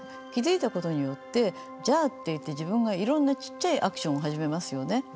気づいたことによって「じゃあ」って言って自分がいろんなちっちゃいアクションを始めますよね。